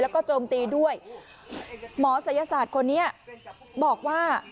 แล้วก็โจมตีด้วยหมอศัยศาสตร์คนนี้บอกว่า